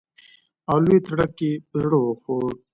او لوی تړک یې په زړه وخوړ.